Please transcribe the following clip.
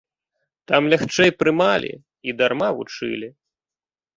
Там лягчэй прымалі і дарма вучылі.